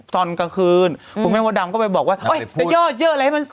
ตอนกลางคืนคุณแม่มดดำก็ไปบอกว่าจะย่อเยอะอะไรให้มัน